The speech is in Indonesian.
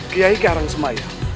kiyai kearang semaya